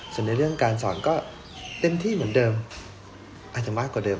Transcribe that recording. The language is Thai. ส่วนในเรื่องการสอนก็เต็มที่เหมือนเดิมอาจจะมากกว่าเดิ